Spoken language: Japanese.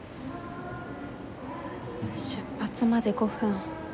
出発まで５分。